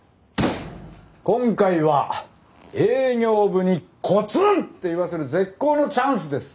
今回は営業部にコツンって言わせる絶好のチャンスです。